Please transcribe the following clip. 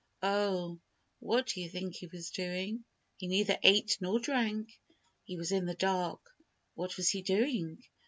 Oh! what do you think he was doing? He neither ate nor drank, and he was in the dark. What was he doing?